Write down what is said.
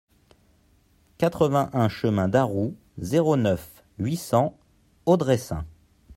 quatre-vingt-un chemin d'Arrout, zéro neuf, huit cents, Audressein